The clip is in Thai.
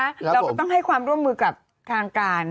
เราก็ต้องให้ความร่วมมือกับทางการ